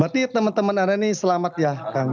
berarti teman teman anda ini selamat ya kang